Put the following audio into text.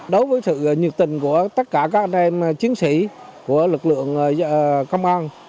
đối với sự nhiệt tình của tất cả các anh em chiến sĩ của lực lượng công an